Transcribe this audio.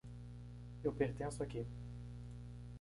Eu pertenço aqui.